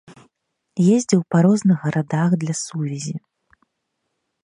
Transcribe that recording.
Ездзіў па розных гарадах для сувязі.